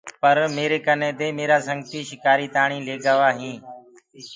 پر ميري ڪني دي ڪي ميرآ سنگتي شڪآري تاڻيٚ لي ڪي گوآ هينٚ۔